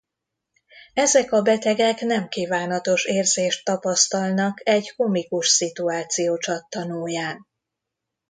Ezek a betegek nemkívánatos érzést tapasztalnak egy komikus szituáció csattanóján.